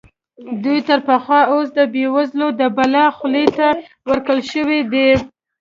دوی تر پخوا اوس د بېوزلۍ د بلا خولې ته ورکړل شوي دي.